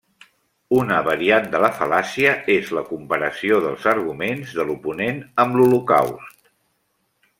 Una variant de la fal·làcia és la comparació dels arguments de l'oponent amb l'Holocaust.